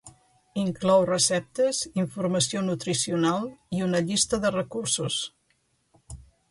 Inclou receptes, informació nutricional i una llista de recursos.